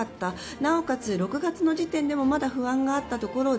なおかつ６月の時点でもまだ不安があったところで